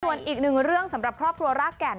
ส่วนอีกหนึ่งเรื่องสำหรับครอบครัวรากแก่น